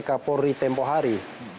atau kpk puri tempoh hari